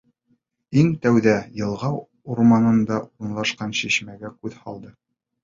Иң тәүҙә Йылға урамында урынлашҡан шишмәгә күҙ һалдым.